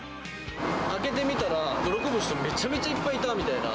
開けてみたら、喜ぶ人、めちゃめちゃいっぱいいたみたいな。